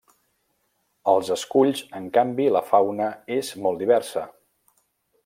Als esculls, en canvi, la fauna és molt diversa.